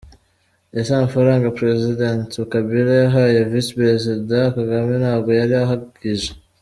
c.Ese amafaranga President Kabila yahaye Visi president kagame ntabwo yari ahagije?